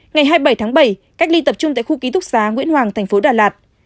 ngày hai mươi bảy tháng bảy cách ly tập trung tại khu ký túc xá nguyễn hoàng thành phố đà lạt